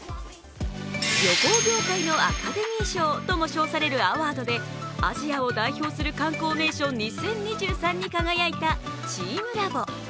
旅行業界のアカデミー賞とも称されるアワードで「アジアを代表する観光名所２０２３」に輝いたチームラボ。